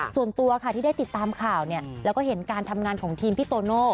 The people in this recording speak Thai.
ส่วนตัวค่ะที่ได้ติดตามข่าวเนี่ยแล้วก็เห็นการทำงานของทีมพี่โตโน่